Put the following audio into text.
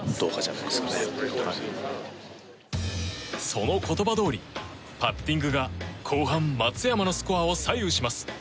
その言葉どおりパッティングが後半松山のスコアを左右します。